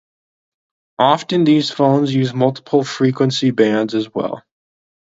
Often these phones use multiple frequency bands as well.